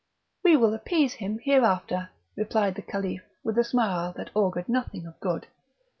"We will appease him hereafter!" replied the Caliph, with a smile that augured nothing of good.